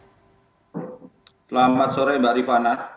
selamat sore mbak rifana